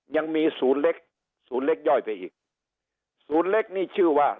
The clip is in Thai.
ยังมีศูนย์เล็กศูนย์เล็กย่อยไปอีกศูนย์เล็กนี่ชื่อว่า